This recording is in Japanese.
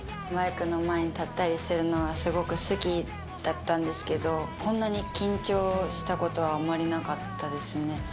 マイクの前に立ったりするのは、すごく好きだったんですけど、こんなに緊張したことはあまりなかったですね。